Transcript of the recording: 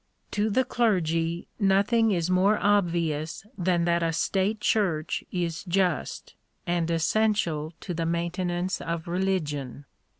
To the clergy nothing is more obvious than that a state church is just, and essential to the maintenance of religion.